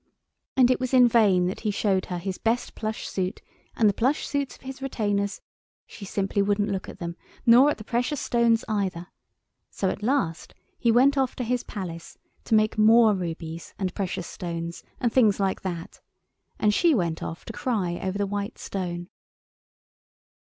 And it was in vain that he showed her his best plush suit and the plush suits of his retainers; she simply wouldn't look at them, nor at the precious stones either; so at last he went off to his Palace to make more rubies and precious stones and things like that, and she went off to cry over the white stone.